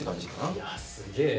いやすげえな。